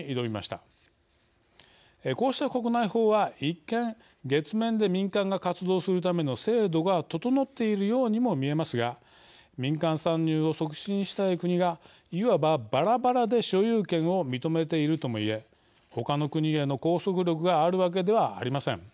こうした国内法は一見月面で民間が活動するための制度が整っているようにも見えますが民間参入を促進したい国がいわばばらばらで所有権を認めているとも言え他の国への拘束力があるわけではありません。